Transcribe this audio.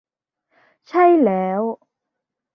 ใช่แล้ว